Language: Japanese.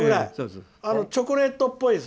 チョコレートっぽいやつ。